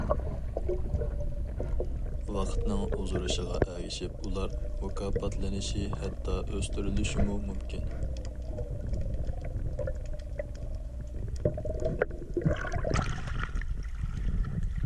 ۋاقىتنىڭ ئۇزىرىشىغا ئەگىشىپ ئۇلار مۇكاپاتلىنىشى ھەتتا ئۆستۈرۈلۈشىمۇ مۇمكىن.